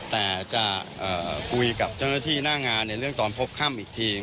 แต่จะคุยกับเจ้าหน้าที่หน้างานในเรื่องตอนพบค่ำอีกที